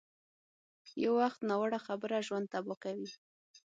یو وخت ناوړه خبره ژوند تباه کوي.